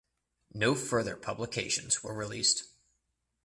No further publications were released.